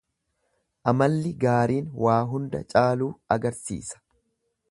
Amalli gaariin waa hunda caaluu agarsiisa.